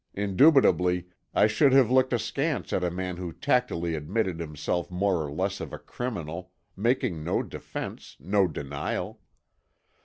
Indubitably I should have looked askance at a man who tacitly admitted himself more or less of a criminal, making no defense, no denial.